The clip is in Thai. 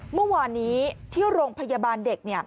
เมื่อวานนี้ที่โรงพยาบาลเด็ก